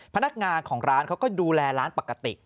พนักงานของร้านเขาก็ดูแลร้านปกติ